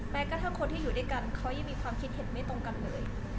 กระทั่งคนที่อยู่ด้วยกันเขายังมีความคิดเห็นไม่ตรงกันเลย